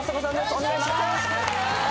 お願いしやす！